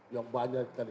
yang banyak sekali